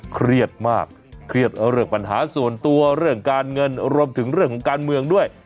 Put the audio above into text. เครียดมากเครียดเรื่องปัญหาส่วนตัวเรื่องการเงินรวมถึงเรื่องของการเมืองด้วย